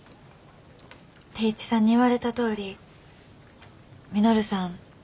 定一さんに言われたとおり稔さん